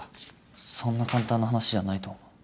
そんな簡単な話じゃないと思う。